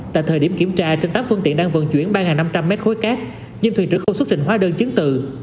tại thời điểm kiểm tra trên tám phương tiện đang vận chuyển ba năm trăm linh mét khối cát nhưng thuyền trưởng không xuất trình hóa đơn chứng từ